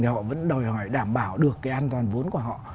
thì họ vẫn đòi hỏi đảm bảo được cái an toàn vốn của họ